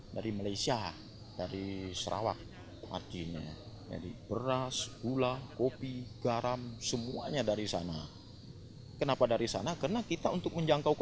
dari malaysia dari sarawak beras gula kopi garam semuanya dari sana